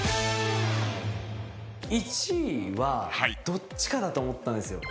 どっちかだと思ったんですよ。